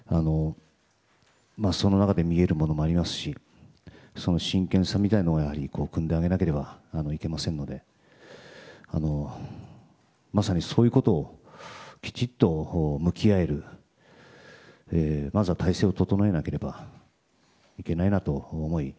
その中で見えるものもありますし真剣さみたいな意向をくんであげなければいけませんのでまさにそういうことをきちっと向き合えるまずはそういう体制を整えなければいけないなと思い